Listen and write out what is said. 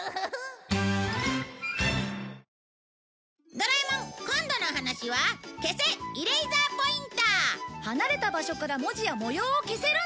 『ドラえもん』今度のお話は消せイ・レーザーポインター離れた場所から文字や模様を消せるんだ